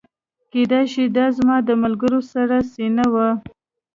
کیدای شي دا زما د ملګري سړه سینه وه